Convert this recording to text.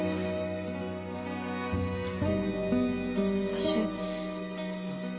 私。